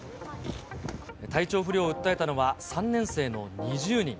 体調不良を訴えたのは３年生の２０人。